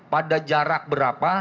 pada jarak berapa